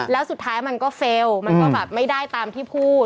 แล้วสุดท้ายมันก็เฟลล์มันก็แบบไม่ได้ตามที่พูด